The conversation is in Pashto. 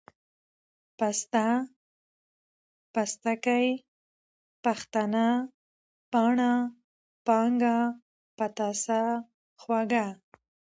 پسته ، پستکۍ ، پښتنه ، پاڼه ، پانگه ، پتاسه، خوږه،